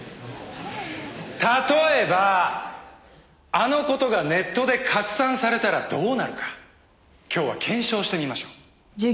例えばあの事がネットで拡散されたらどうなるか今日は検証してみましょう。